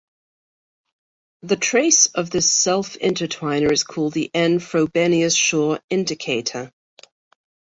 The trace of this self-intertwiner is called the n "Frobenius-Schur indicator".